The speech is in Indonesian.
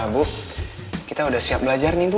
bu kita udah siap belajar nih bu